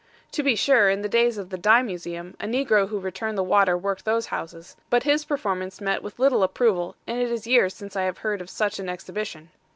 To be sure, in the days of the Dime Museum, a Negro who returned the water worked those houses; but his performance met with little approval, and it is years since I have heard of such an exhibition.